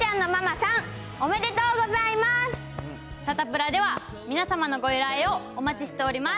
サタプラでは皆様のご依頼をお待ちしております。